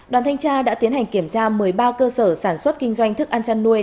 đoàn thanh tra đã tiến hành kiểm tra một mươi ba cơ sở sản xuất kinh doanh thức ăn chăn nuôi